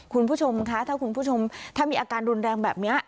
คุณผู้ชมคะถ้าคุณผู้ชมถ้ามีอาการรุนแรงแบบนี้